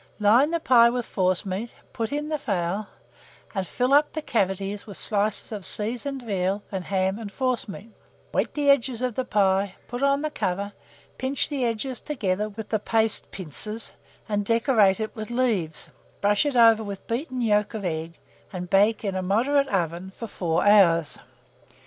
Line the pie with forcemeat, put in the fowl, and fill up the cavities with slices of seasoned veal and ham and forcemeat; wet the edges of the pie, put on the cover, pinch the edges together with the paste pincers, and decorate it with leaves; brush it over with beaten yolk of egg, and bake in a moderate oven for 4 hours.